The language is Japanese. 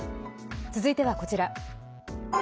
続いては、こちら。